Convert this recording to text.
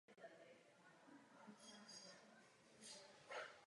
Nestor nastoupil již do svého sedmnáctého finále na Grand Slamu.